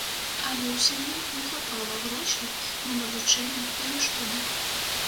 Але ў сям'і не хапала грошай на навучанне і рыштунак.